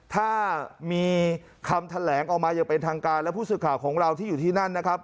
ถ้ามีคำแถลงออกมาอย่างเป็นทางการและผู้สื่อข่าวของเราที่อยู่ที่นั่นนะครับ